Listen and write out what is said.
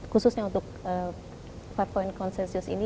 khususnya untuk five point consensus ini